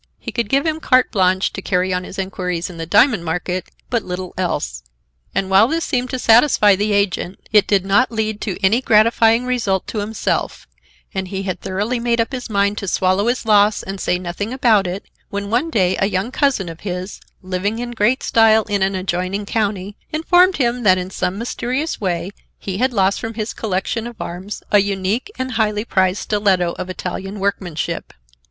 He could give him carte blanche to carry on his inquiries in the diamond market, but little else. And while this seemed to satisfy the agent, it did not lead to any gratifying result to himself, and he had thoroughly made up his mind to swallow his loss and say nothing about it, when one day a young cousin of his, living in great style in an adjoining county, informed him that in some mysterious way he had lost from his collection of arms a unique and highly prized stiletto of Italian workmanship.